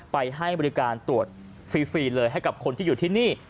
ให้บริการตรวจฟรีเลยให้กับคนที่อยู่ที่นี่